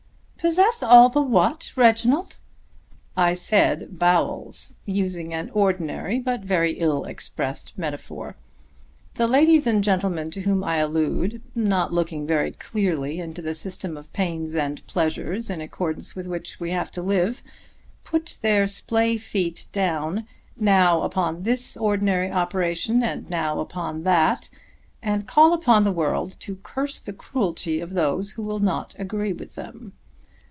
"Possess all the what, Reginald?" "I said bowels, using an ordinary but very ill expressed metaphor. The ladies and gentlemen to whom I allude, not looking very clearly into the systems of pains and pleasures in accordance with which we have to live, put their splay feet down now upon this ordinary operation and now upon that, and call upon the world to curse the cruelty of those who will not agree with them.